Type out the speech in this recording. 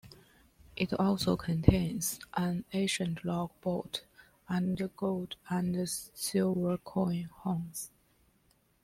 It also contains an ancient log boat and gold and silver coin hoards.